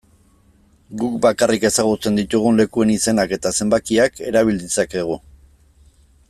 Guk bakarrik ezagutzen ditugun lekuen izenak eta zenbakiak erabil ditzakegu.